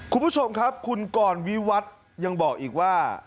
คุณผู้ชมครับคุณกรวิวัตรยังบอกอีกว่า